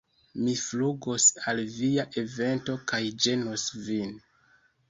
Mi flugos al via evento kaj ĝenos vin!